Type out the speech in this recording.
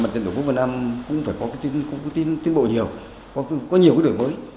mặt trận tổ quốc việt nam cũng phải có tin tiến bộ nhiều có nhiều đổi mới